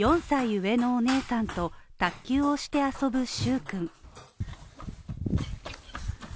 ４歳上のお姉さんと、卓球をして遊ぶ蹴君。